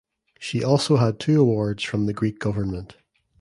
She also had two awards from the Greek government.